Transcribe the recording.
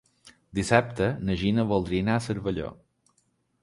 Dissabte na Gina voldria anar a Cervelló.